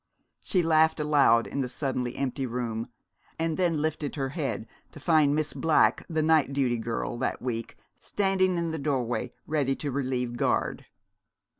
She laughed aloud in the suddenly empty room, and then lifted her head to find Miss Black, the night duty girl that week, standing in the doorway ready to relieve guard.